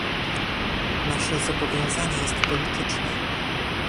Nasze zobowiązanie jest polityczne